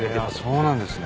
そうなんですね。